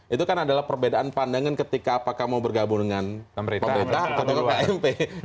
itu kan adalah perbedaan pandangan ketika apakah mau bergabung dengan pemerintah atau kmp